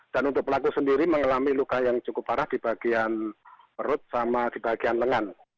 dan untuk pelaku sendiri mengalami luka yang cukup parah di bagian perut sama di bagian lengan